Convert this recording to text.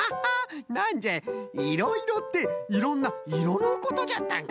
なんじゃいいろいろっていろんないろのことじゃったんか。